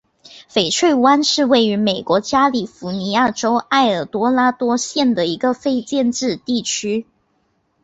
翡翠湾是位于美国加利福尼亚州埃尔多拉多县的一个非建制地区。